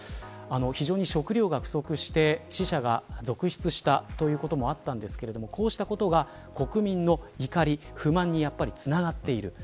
非常に食料が不足して死者が続出したということもあったんですがこうしたことが国民の怒り不満につながっている。